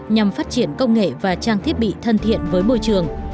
nhằm phát triển công nghệ và trang thiết bị thân thiện với môi trường